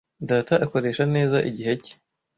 Data akoresha neza igihe cye.